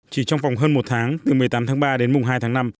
chỉ trong vòng hơn một tháng từ một mươi tám tháng ba đến mùng hai tháng năm